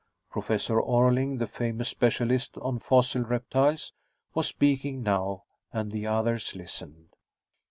Professor Orling, the famous specialist on fossil reptiles, was speaking now, and the others listened.